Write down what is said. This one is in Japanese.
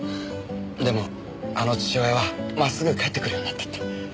でもあの父親はまっすぐ帰ってくるようになったって。